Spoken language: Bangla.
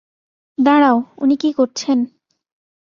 দাঁড়াও, উনি কী করছেন?